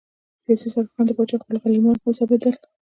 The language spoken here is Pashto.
سیاسي سرکښان د پاچا خپل غلیمان حسابېدل.